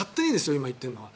今、言っているのは。